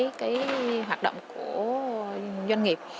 trong cái hoạt động của doanh nghiệp